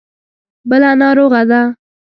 بله ناروغه ده.